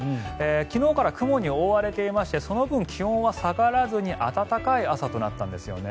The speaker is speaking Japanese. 昨日から雲に覆われていましてその分、気温は下がらずに暖かい朝となったんですね。